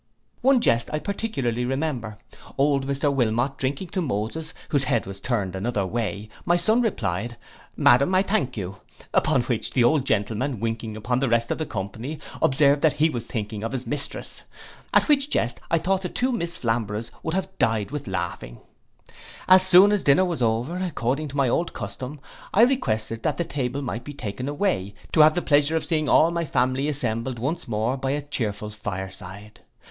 One jest I particularly remember, old Mr Wilmot drinking to Moses, whose head was turned another way, my son replied, 'Madam, I thank you.' Upon which the old gentleman, winking upon the rest of the company, observed that he was thinking of his mistress. At which jest I thought the two miss Flamboroughs would have died with laughing. As soon as dinner was over, according to my old custom, I requested that the table might be taken away, to have the pleasure of seeing all my family assembled once more by a chearful fireside.